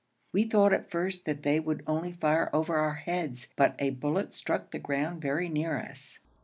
We thought at first that they would only fire over our heads, but a bullet struck the ground very near us.